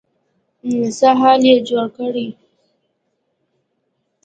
څه حال يې جوړ کړی.